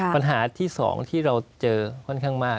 ปัญหาที่๒ที่เราเจอค่อนข้างมาก